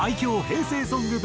平成ソング